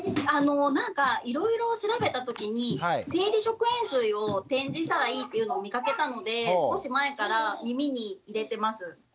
いろいろ調べたときに生理食塩水を点耳したらいいというのを見かけたので少し前から耳に入れてます。